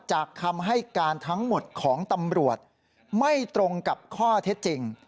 คำให้การทั้งหมดของตำรวจไม่ตรงกับข้อเท็จจริง